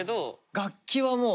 楽器はもう。